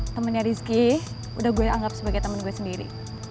temennya rizky udah gue anggap sebagai temen gue sendiri